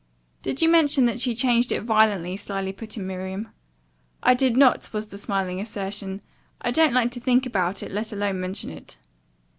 "Did you mention that she changed it violently?" slyly put in Miriam. "I did not," was the smiling assertion. "I don't like to think about it, let alone mention it."